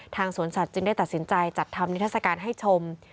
สวนสัตวจึงได้ตัดสินใจจัดทำนิทัศกาลให้ชม